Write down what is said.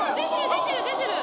出てる出てる。